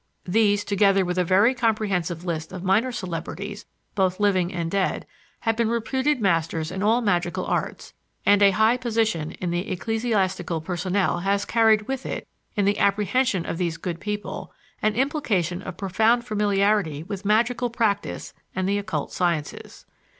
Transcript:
These, together with a very comprehensive list of minor celebrities, both living and dead, have been reputed masters in all magical arts; and a high position in the ecclesiastical personnel has carried with it, in the apprehension of these good people, an implication of profound familiarity with magical practice and the occult sciences.